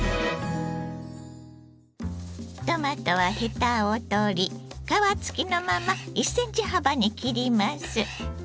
トマトはヘタを取り皮つきのまま１センチ幅に切ります。